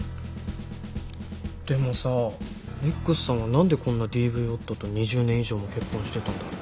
でもさＸさんは何でこんなＤＶ夫と２０年以上も結婚してたんだろ。